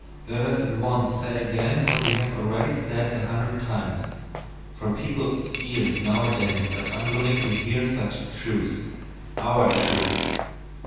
Let us at once say again what we have already said a hundred times, for people's ears nowadays are unwilling to hear such truths OUR truths.